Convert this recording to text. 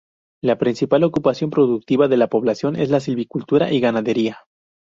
La principal ocupación productiva de la población es la silvicultura y ganadería.